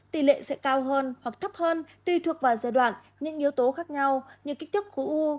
tỷ lệ sẽ cao hơn hoặc thấp hơn tùy thuộc vào giai đoạn những yếu tố khác nhau như kích thước khối u